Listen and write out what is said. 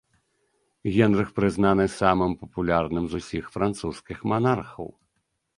Генрых прызнаны самым папулярным з усіх французскіх манархаў.